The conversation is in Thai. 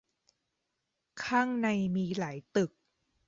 ข้างในมีหลายตึก